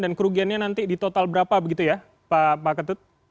dan kerugiannya nanti di total berapa begitu ya pak ketut